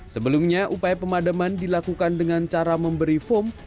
sebelumnya upaya pemadaman dilakukan dengan cara memberi foam